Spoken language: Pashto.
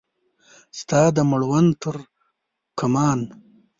ستا د مړوند ترکمان